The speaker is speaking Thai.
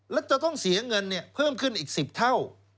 แล้วจะต้องเสียเงินเพิ่มขึ้นอีก๑๐เท่า